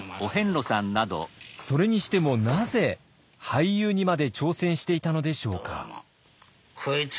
それにしてもなぜ俳優にまで挑戦していたのでしょうか。